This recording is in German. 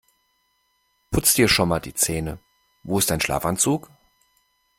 Putz dir schon mal die Zähne. Wo ist dein Schlafanzug?